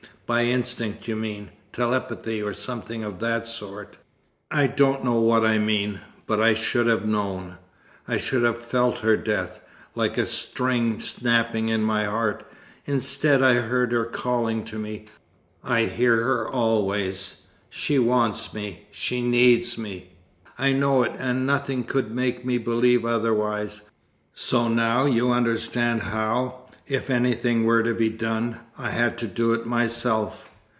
"By instinct, you mean telepathy, or something of that sort?" "I don't know what I mean, but I should have known. I should have felt her death, like a string snapping in my heart. Instead, I heard her calling to me I hear her always. She wants me. She needs me. I know it, and nothing could make me believe otherwise. So now you understand how, if anything were to be done, I had to do it myself.